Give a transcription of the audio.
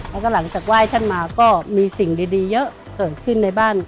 แล้วก็หลังจากไหว้ท่านมาก็มีสิ่งดีเยอะเกิดขึ้นในบ้าน